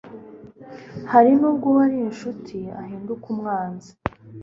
hari n'ubwo uwari incuti ahinduka umwanzi